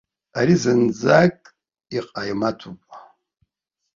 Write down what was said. Ари зынӡак иҟаимаҭуп.